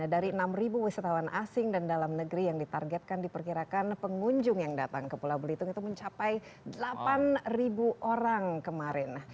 dari enam wisatawan asing dan dalam negeri yang ditargetkan diperkirakan pengunjung yang datang ke pulau belitung itu mencapai delapan orang kemarin